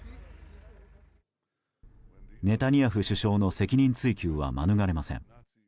ネタニヤフ首相の責任追及は免れません。